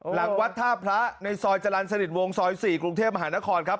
หลังวัดท่าพระในซอยจรัญสนิษฐ์วงทร์ซอย๔กรูเทพมหานครครับ